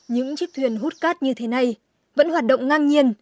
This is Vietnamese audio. những chiếc thuyền hút cát như thế này vẫn hoạt động ngang nhiên